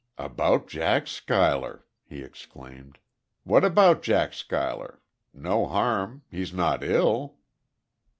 "About Jack Schuyler!" he exclaimed. "What about Jack Schuyler? No harm he's not ill?"